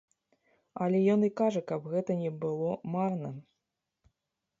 Але ён і кажа, каб гэта не было марна.